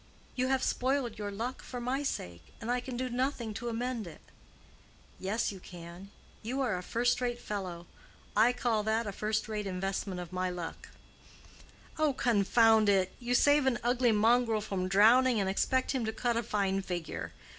You have spoiled your luck for my sake, and I can do nothing to amend it." "Yes, you can; you are to be a first rate fellow. I call that a first rate investment of my luck." "Oh, confound it! You save an ugly mongrel from drowning, and expect him to cut a fine figure.